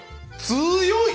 強い！